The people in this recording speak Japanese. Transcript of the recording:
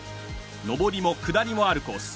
上りも下りもあるコース。